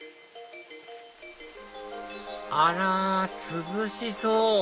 あら涼しそう！